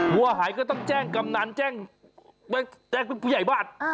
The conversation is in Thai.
วัวหายก็ต้องแจ้งกำนันแจ้งเป็นผู้ใหญ่บ้าน